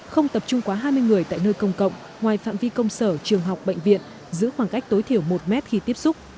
không tập trung quá hai mươi người tại nơi công cộng ngoài phạm vi công sở trường học bệnh viện giữ khoảng cách tối thiểu một mét khi tiếp xúc